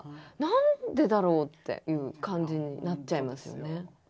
何でだろう？っていう感じになっちゃいますよね。